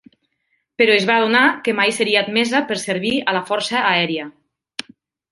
Però es va adonar que mai seria admesa per servir en la Força Aèria.